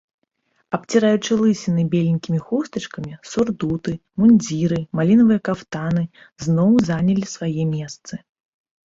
Абціраючы лысіны беленькімі хустачкамі, сурдуты, мундзіры, малінавыя кафтаны, зноў занялі свае месцы.